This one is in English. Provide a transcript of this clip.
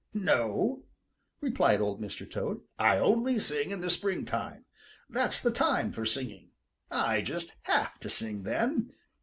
"No," replied Old Mr. Toad, "I only sing in the springtime. That's the time for singing. I just have to sing then.